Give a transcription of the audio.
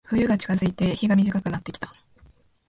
冬が近づいて、日が短くなってきた。